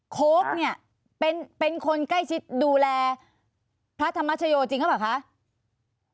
โค้กเนี่ยเป็นคนใกล้ชิดดูแลพระธรรมชโยจริงหรือเปล่าคะ